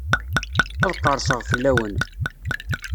Ad qerseɣ fell-awen.